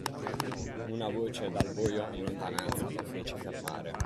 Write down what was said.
Una voce dal buio, in lontananza, lo fece fermare.